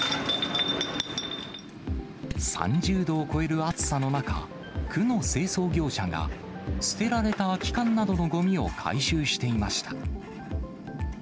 ３０度を超える暑さの中、区の清掃業者が捨てられた空き缶などのごみを回収していました。